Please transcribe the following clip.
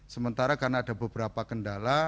sementara karena ada beberapa kendala